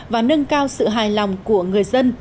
và nâng cao sự hài lòng của người dân